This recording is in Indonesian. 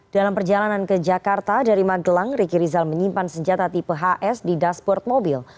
dalam perjalanan ke jakarta dari magelang ricky rizal menyimpan senjata tipe hs di dashboard mobil